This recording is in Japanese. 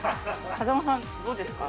風間さんどうですか？